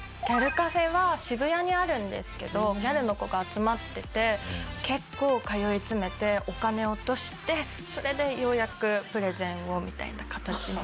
ギャルカフェは渋谷にあるんですけどギャルの子が集まってて結構通い詰めてお金を落としてそれでようやくプレゼンをみたいな形。